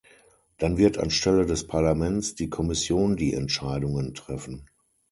Dann wird anstelle des Parlaments die Kommission die Entscheidungen treffen.